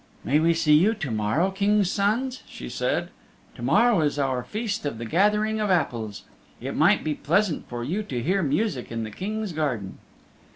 "May we see you to morrow, Kings' Sons," she said. "To morrow is our feast of the Gathering of Apples. It might be pleasant for you to hear music in the King's garden."